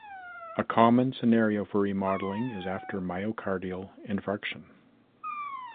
A common scenario for remodeling is after myocardial infarction.